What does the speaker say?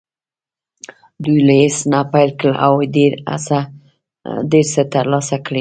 دوی له هېڅ نه پیل کړی او ډېر څه یې ترلاسه کړي دي